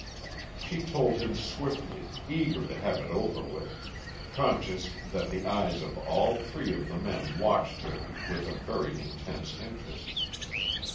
She told him swiftly, eager to have it over with, conscious that the eyes of all three of the men watched her with a very intense interest.